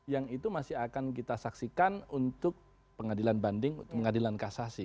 yang itu masih akan kita saksikan untuk pengadilan banding untuk pengadilan kasasi